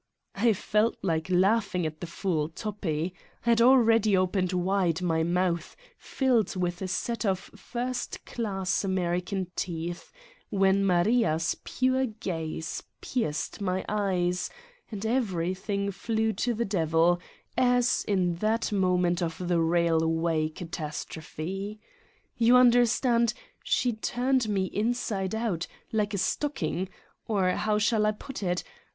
I felt like laughing at the fool Toppi. I had already opened wide my mouth, filled with a set of first class American teeth, when Maria's pure gaze pierced my eyes and everything flew to the devil, as in that moment of the railway catastrophe ! You understand : she turned me inside out, like a stocking or how shall I put it?